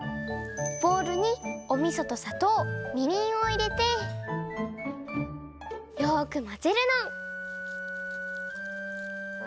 ボウルにおみそとさとうみりんをいれてよくまぜるの。